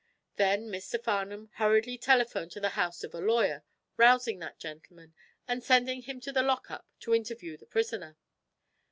Then Mr. Farnum hurriedly telephoned to the house of a lawyer, rousing that gentleman, and sending him to the lock up to interview the prisoner.